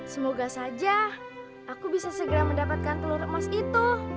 semoga saja aku bisa segera mendapatkan telur emas itu